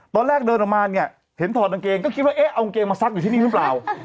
ตอนแรกเดินออกมาเนี่ยเห็นถอดกางเกงก็คิดว่าเอ๊ะเอากางเกงมาซักอยู่ที่นี่หรือเปล่า